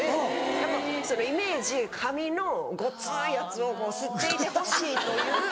やっぱイメージ紙のゴツいやつを吸っていてほしいという。